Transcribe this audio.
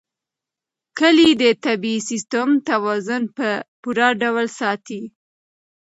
کلي د طبعي سیسټم توازن په پوره ډول ساتي.